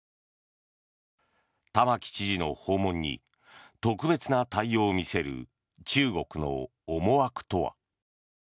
玉城知事の訪問に特別な対応を見せる中国の思惑とは。